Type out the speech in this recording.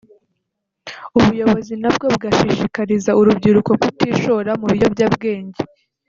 ubuyobozi nabwo bugashishikariza urubyiruko kutishora mu biyobyabwenge